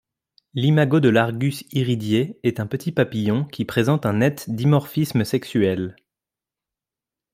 L'imago de l'Argus iridié est un petit papillon qui présente un net dimorphisme sexuel.